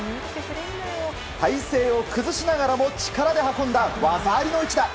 体勢を崩しながらも力で運んだ技ありの一打。